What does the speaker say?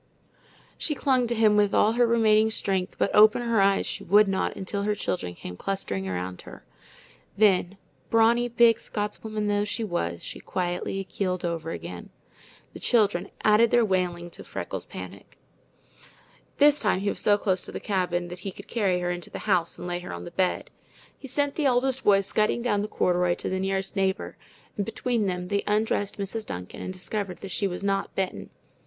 She clung to him with all her remaining strength, but open her eyes she would not until her children came clustering around her. Then, brawny, big Scotswoman though she was, she quietly keeled over again. The children added their wailing to Freckles' panic. This time he was so close the cabin that he could carry her into the house and lay her on the bed. He sent the oldest boy scudding down the corduroy for the nearest neighbor, and between them they undressed Mrs. Duncan and discovered that she was not bitten.